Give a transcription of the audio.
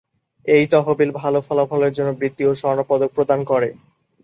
এই তহবিল ভালো ফলাফলের জন্য বৃত্তি ও স্বর্ণপদক প্রদান করে।